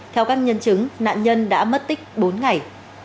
theo các nhân chứng nạn nhân đã mất tích bốn ngày